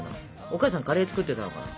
お母さんカレー作ってたのかな？